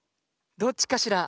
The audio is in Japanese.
どっちかしら？